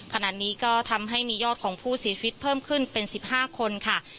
ขณะนี้ก็ทำให้มียอดของผู้เสียชีวิตเพิ่มขึ้นเป็น๑๕คนค่ะ